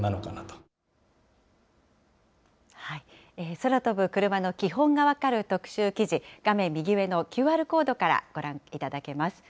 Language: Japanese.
空飛ぶクルマの基本が分かる特集記事、画面右上のＱＲコードからご覧いただけます。